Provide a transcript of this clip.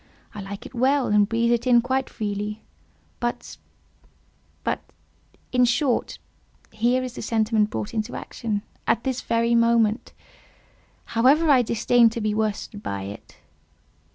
I like it well, and breathe in it quite freely;—but—but, in short, here is the sentiment brought into action, at this very moment; however, I disdain to be worsted by it.